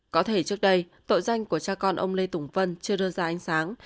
có thể trước đây tội danh của cha con ông lê tùng vân chưa đưa ra ánh sáng